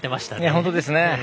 本当ですね。